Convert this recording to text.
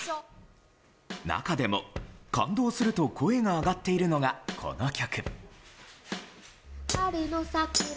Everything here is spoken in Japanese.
中でも感動すると声が上がっているのがこの曲。